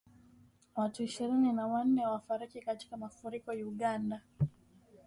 Watu ishirini na wanne wafariki katika mafuriko Uganda